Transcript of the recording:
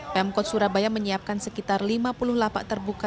pemkot surabaya menyiapkan sekitar lima puluh lapak terbuka